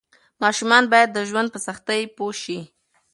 ماشومان باید د ژوند په سختۍ پوه شي.